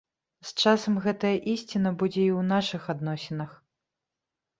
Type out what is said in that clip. З часам гэтая ісціна будзе і ў нашых адносінах.